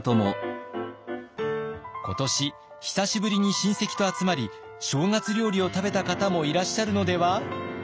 今年久しぶりに親戚と集まり正月料理を食べた方もいらっしゃるのでは？